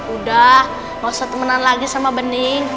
udah gak usah temenan lagi sama bening